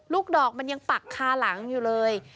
ดอกมันยังปักคาหลังอยู่เลย